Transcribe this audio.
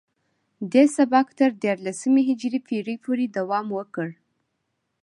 دې سبک تر دیارلسمې هجري پیړۍ پورې دوام وکړ